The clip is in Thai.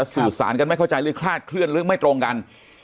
สื่อสารกันไม่เข้าใจเคลื่อนเรื่องไม่ตรงกัน